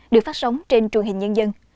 được phát sóng trên truyền hình nhân dân